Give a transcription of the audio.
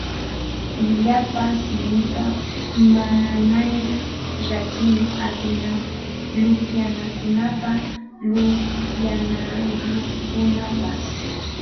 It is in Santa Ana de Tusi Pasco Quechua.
Llapa simipa manaña rakiy atina luqyanakunapas luqyanayuqkunapas